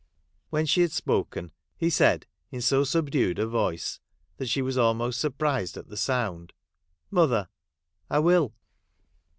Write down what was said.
When she had spoken, he said in so subdued a voice that she was almost surprised at the sound, ' Mother, I will.'